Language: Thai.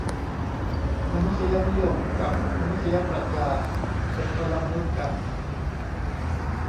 มนุษยนิยมกับมนุษยปรัชญา เป็นคนละมนุษย์กัน